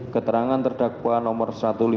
keterangan terdakwa nomor satu ratus lima puluh